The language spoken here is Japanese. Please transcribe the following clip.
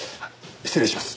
失礼します。